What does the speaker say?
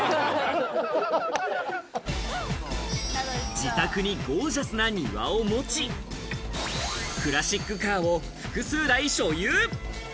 自宅にゴージャスな庭を持ち、クラシックカーを複数台所有。